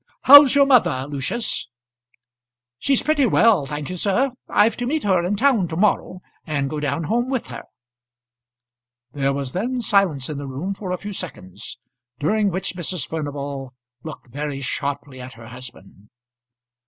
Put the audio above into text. How's your mother, Lucius?" "She's pretty well, thank you, sir. I've to meet her in town to morrow, and go down home with her." There was then silence in the room for a few seconds, during which Mrs. Furnival looked very sharply at her husband.